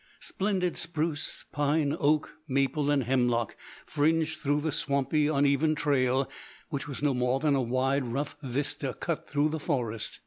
Splendid spruce, pine, oak, maple, and hemlock fringed the swampy, uneven trail which was no more than a wide, rough vista cut through the forest.